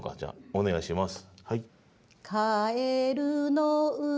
お願いします。